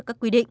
em ở riêng